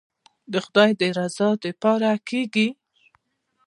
د خداى د رضا دپاره کېګي.